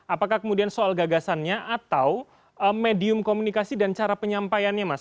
apakah kemudian soal gagasannya atau medium komunikasi dan cara penyampaiannya mas